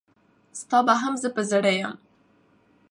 ستا به هم زه په زړه یم.